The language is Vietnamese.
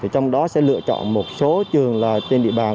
trong đó sẽ lựa chọn một số trường trên địa bàn